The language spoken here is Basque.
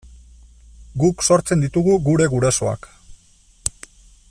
Guk sortzen ditugu gure gurasoak.